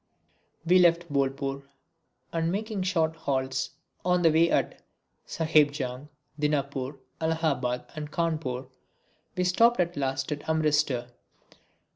We left Bolpur and making short halts on the way at Sahebganj, Dinapore, Allahabad and Cawnpore we stopped at last at Amritsar.